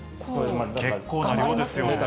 結構な量ですよね。